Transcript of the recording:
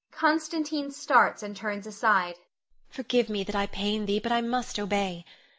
[Constantine starts and turns aside.] Forgive me that I pain thee, but I must obey.